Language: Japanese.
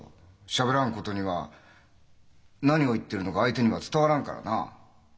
しゃべらんことには何を言ってるのか相手には伝わらんからな。